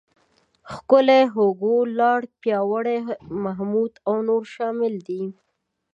ښکلی، هوګو، لاړ، پیاوړی، محمود او نور شامل دي.